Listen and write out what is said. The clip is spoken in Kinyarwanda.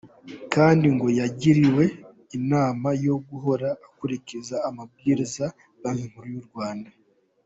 Kandi ngo yagiriwe inama yo guhora akurikiza amabwiriza ya Banki Nkuru y’u Rwanda.